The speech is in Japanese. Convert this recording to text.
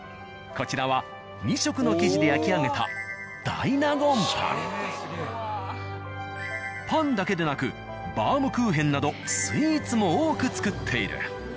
こちらは２色の生地で焼き上げたパンだけでなくバームクーヘンなどスイーツも多く作っている。